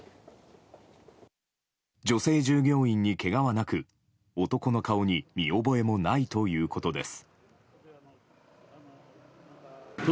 女性従業員にけがはなく男の顔に見覚えもないということです。